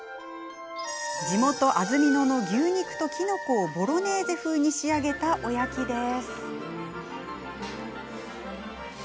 地元、安曇野の牛肉ときのこをボロネーゼ風に仕上げたおやきです。